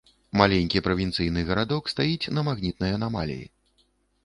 Маленькі правінцыйны гарадок стаіць на магнітнай анамаліі.